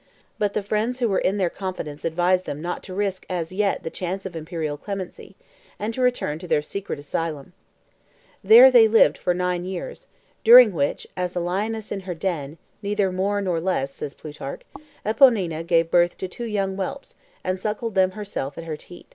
But the friends who were in their confidence advised them not to risk as yet the chance of imperial clemency, and to return to their secret asylum. There they lived for nine years, during which "as a lioness in her den, neither more nor less," says Plutarch, "Eponina gave birth to two young whelps, and suckled them herself at her teat."